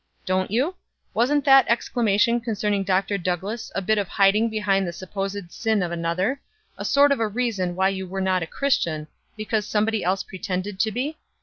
"Don't you? Wasn't that exclamation concerning Dr. Douglass a bit of hiding behind the supposed sin of another a sort of a reason why you were not a Christian, because somebody else pretended to be?